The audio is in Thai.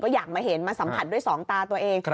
อยากมาเห็นมาสัมผัสด้วยสองตาตัวเอง